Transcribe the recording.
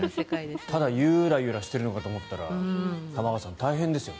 ただゆらゆらしているのかと思ったら玉川さん、大変ですよ。